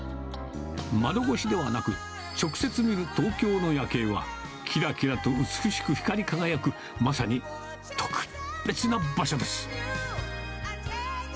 窓越しではなく、直接見る東京の夜景は、きらきらと美しく光り輝くまさに特別な場所です。